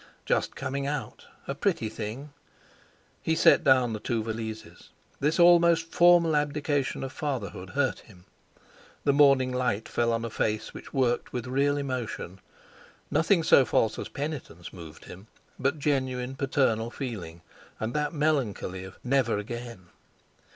Just coming out, a pretty thing! He set down the two valises. This almost formal abdication of fatherhood hurt him. The morning light fell on a face which worked with real emotion. Nothing so false as penitence moved him; but genuine paternal feeling, and that melancholy of "never again."